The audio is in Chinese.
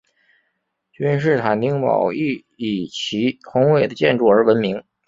君士坦丁堡亦以其宏伟的建筑而闻名。